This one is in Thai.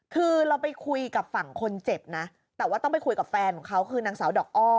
คือเราไปคุยกับฝั่งคนเจ็บนะแต่ว่าต้องไปคุยกับแฟนของเขาคือนางสาวดอกอ้อ